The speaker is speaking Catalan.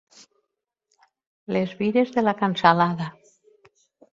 Les vires de la cansalada.